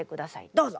どうぞ。